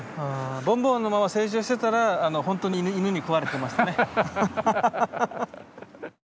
ボンボンのまま成長してたらほんとに犬に食われてましたね。